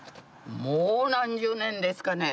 もう何十年ですかね。